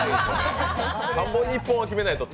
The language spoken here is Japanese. ３本に１本は決めないと。